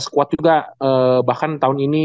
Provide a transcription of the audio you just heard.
sekuat juga bahkan tahun ini